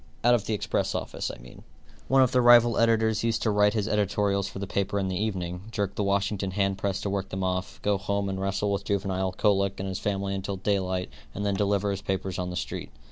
Out of the express office, I mean. One of the rival editors used to write his editorials for the paper in the evening, jerk the Washington hand press to work them off, go home and wrestle with juvenile colic in his family until daylight and then deliver his papers on the street.